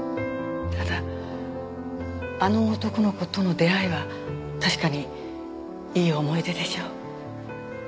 ただあの男の子との出会いは確かにいい思い出でしょう。